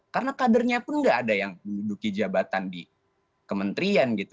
karena kadernya pun tidak ada yang duduki jabatan di kementerian